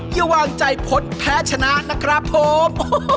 อย่าวางใจผลแพ้ชนะนะครับผม